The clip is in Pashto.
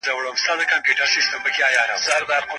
ښوونکی باید د هر ماشوم ځانګړتیاوې وپیژني.